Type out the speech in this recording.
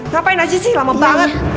ngapain aja sih lama banget